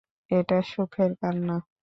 এটা সুখের কান্না।